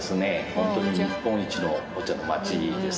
ホントに日本一のお茶の町です。